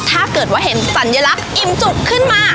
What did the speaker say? ถ้าเกิดว่าเห็นสัญลักษณ์อิ่มจุกขึ้นมา